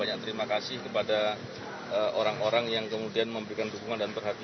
novel baswedan menjawab